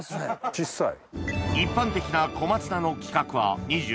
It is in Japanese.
小っさい。